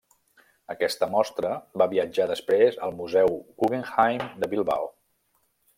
Aquesta mostra va viatjar després al Museu Guggenheim de Bilbao.